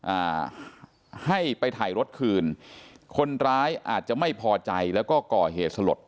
อ่าให้ไปถ่ายรถคืนคนร้ายอาจจะไม่พอใจแล้วก็ก่อเหตุสลด